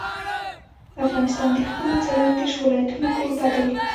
افغانستان د خپلو څلور دېرش ولایتونو کوربه دی.